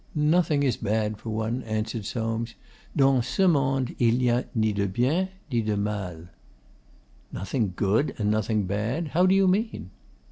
'Nothing is bad for one,' answered Soames. 'Dans ce monde il n'y a ni de bien ni de mal.' 'Nothing good and nothing bad? How do you mean?